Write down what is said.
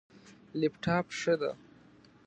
لپټاپ، ښه ده